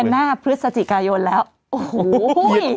เดือนหน้าพฤษจิกายนแล้วโอ้โห